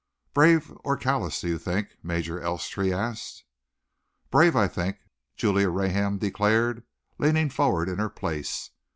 "Brave or callous, do you think?" Major Elstree asked. "Brave, I think," Julia Raynham declared, leaning forward in her place.